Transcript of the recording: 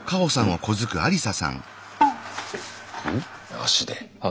足で。